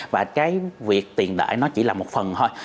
và cái việc tiền đợi nó chỉ là một phần thôi